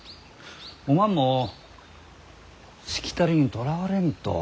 おまんもしきたりにとらわれんと。